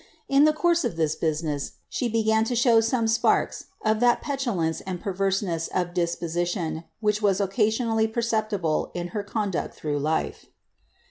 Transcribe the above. In the course of this business, she began to shoT some sparks of that petulance and pcrverseness of disposition which was occasionally perceptible in her conduct tlirough life.